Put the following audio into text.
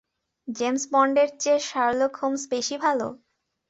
James বন্ডের চেয়ে Sherlock Holmes বেশি ভালো।